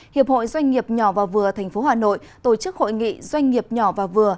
hiệp hội doanh nghiệp nhỏ và vừa tp hà nội tổ chức hội nghị doanh nghiệp nhỏ và vừa